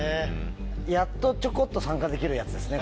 やっとちょこっと参加できるやつですね